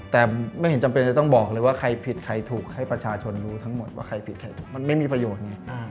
แต่ไม่เห็นจำเป็นจะต้องบอกเลยว่าใครผิดใครถูกให้ประชาชนรู้ทั้งหมดว่าใครผิดใครถูกมันไม่มีประโยชน์ไง